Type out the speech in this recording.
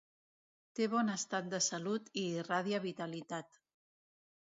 Té bon estat de salut i irradia vitalitat.